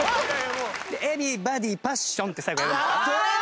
エブリバディパッションって最後やる。